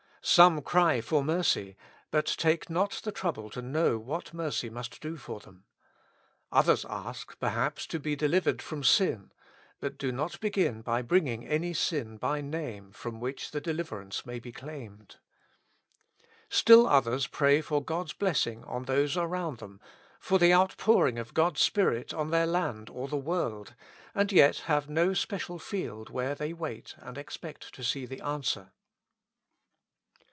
Some cry for mercy, but take not the trouble to know what mercy must do for them. Others ask, perhaps, to be delivered from sin, but do not begin by bringing any sin by name from which the deliverance may be claimed. Still others pray for God's blessing on those around them, for the out pouring of God's Spirit on their land or the world, and yet have no special field where they wait and expect to see the answer.